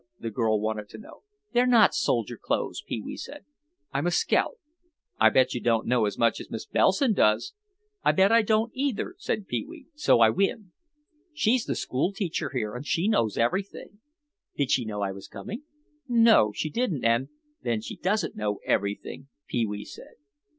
the girl wanted to know. "They're not soldier clothes," Pee wee said; "I'm a scout." "I bet you don't know as much as Miss Bellison does." "I bet I don't either," Pee wee said, "so I win." "She's the school teacher here and she knows everything." "Did she know I was coming?" "No, she didn't and—" "Then she doesn't know everything," Pee wee said.